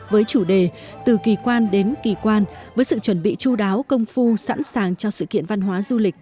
với chủ đề từ kỳ quan đến kỳ quan với sự chuẩn bị chú đáo công phu sẵn sàng cho sự kiện văn hóa du lịch